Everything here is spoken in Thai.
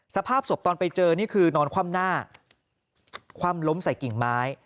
สภาพศพตอนไปเจอนี่คือนอนคว่ำหน้าคว่ำล้มใส่กิ่งไม้